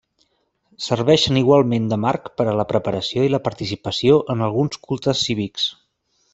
Serveixen igualment de marc per a la preparació i la participació en alguns cultes cívics.